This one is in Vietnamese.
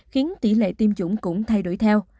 khiến tỷ lệ tiêm chủng cũng thay đổi theo